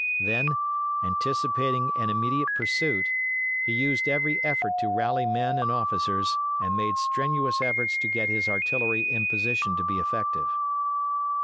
Then, anticipating an immediate pursuit, he used every effort to rally men and officers, and made strenuous efforts to get his artillery in position to be effective.